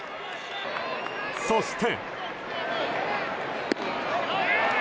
そして。